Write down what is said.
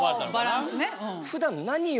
バランスね。